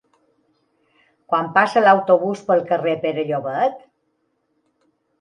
Quan passa l'autobús pel carrer Pere Llobet?